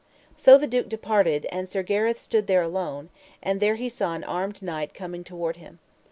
So the duke departed, and Sir Gareth stood there alone; and there he saw an armed knight coming toward him.